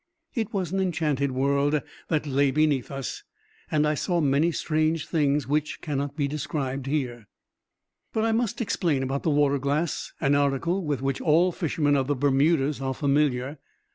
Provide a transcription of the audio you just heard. It was an enchanted world that lay beneath us, and I saw many strange things which cannot be described here. But I must explain about the water glass, an article with which all fishermen of the Bermudas are familiar.